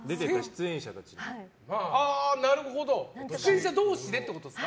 出演者同士ってことですか？